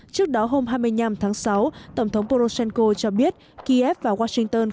trước đó hôm hai mươi năm tháng sáu tổng thống poroshenko cho biết kiev và washington